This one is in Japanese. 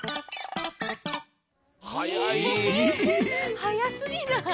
はやすぎない？